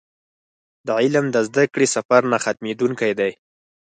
د علم د زده کړې سفر نه ختمېدونکی دی.